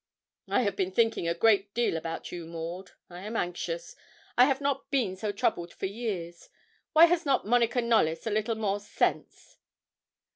'I have been thinking a great deal about you, Maud. I am anxious. I have not been so troubled for years. Why has not Monica Knollys a little more sense?'